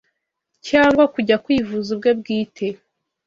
cyangwa kujya kwivuza ubwe bwite